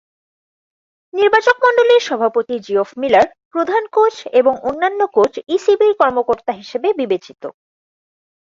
নির্বাচকমণ্ডলীর সভাপতি Geoff Miller, প্রধান coach এবং অন্যান্য কোচ ইসিবি’র কর্মকর্তা হিসেবে বিবেচিত।